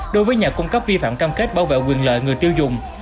đối với nhà cung cấp vi phạm cam kết bảo vệ quyền lợi người tiêu dùng